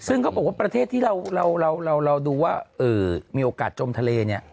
ซึ่งเขาบอกว่าประเทศที่เราดูว่ามีโอกาสจมทะเลเนี่ย